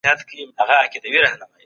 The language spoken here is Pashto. ستړی انسان ژر خپه کېږي.